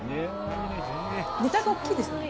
ネタがおっきいですね。